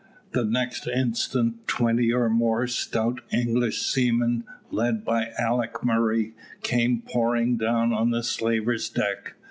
The next instant twenty or more stout English seamen, led by Alick Murray, came pouring down on the slaver's deck.